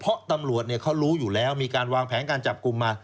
เพราะตำรวจเขารู้อยู่แล้วมีการวางแผนการจับกลุ่มมา